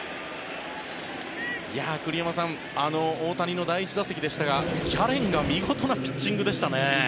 栗山さん大谷の第１打席でしたがギャレンが見事なピッチングでしたね。